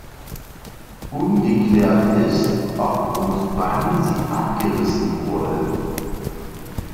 Ungeklärt ist, ob und wann sie abgerissen wurde.